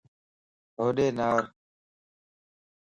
ھوڏي نارَ